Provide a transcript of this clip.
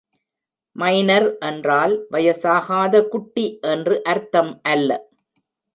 Minor என்றால், வயசாகாத குட்டி என்று அர்த்தம் அல்ல.